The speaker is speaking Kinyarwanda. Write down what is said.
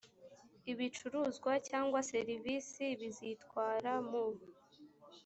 ibicuruzwa cyangwa serivisi bizitwara mu